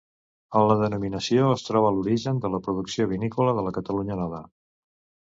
En la denominació es troba l'origen de la producció vinícola de la Catalunya Nova.